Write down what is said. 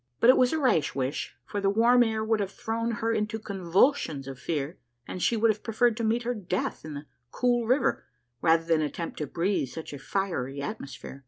But it was a rash wish ; for the warm air would have thrown her into convulsions of fear, and she would have preferred to meet her death in the cool river rather than attempt to breathe such a fiery atmosphere.